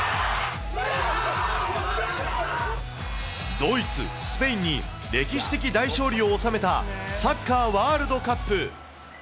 ドイツ、スペインに歴史的大勝利を収めたサッカーワールドカップ。